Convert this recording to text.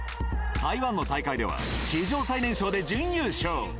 台湾の大会では史上最年少で準優勝。